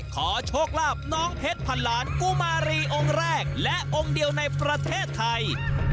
ขอโชคลาภน้องเพชรพันล้านกุมารีองค์แรกและองค์เดียวในประเทศไทย